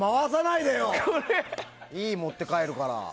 いいよ、持って帰るから。